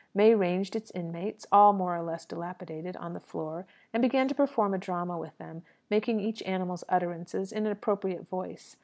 May ranged its inmates all more or less dilapidated on the floor, and began to perform a drama with them, making each animal's utterances in an appropriate voice.